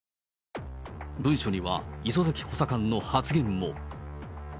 文書には、礒崎補佐官の発言も。